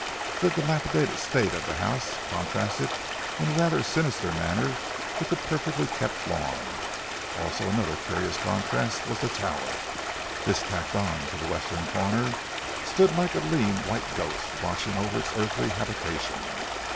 The dilapidated state of the house, contrasted in a rather sinister manner with the perfectly kept lawn. Also another curious contrast, was the tower. This tacked on to the western corner, stood like a lean white ghost, watching over its earthly habitation.